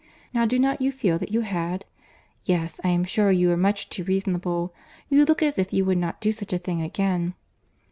Now do not you feel that you had? Yes, I am sure you are much too reasonable. You look as if you would not do such a thing again."